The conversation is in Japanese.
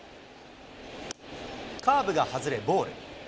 カーブが外れボール。